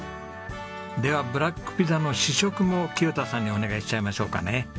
ではブラックピザの試食も清田さんにお願いしちゃいましょうかね。